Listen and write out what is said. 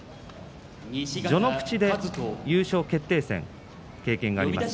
序ノ口で優勝決定戦の経験があります